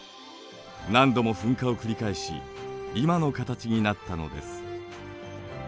何度も噴火を繰り返し今の形になったのです。